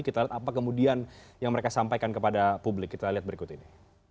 kita lihat apa kemudian yang mereka sampaikan kepada publik kita lihat berikut ini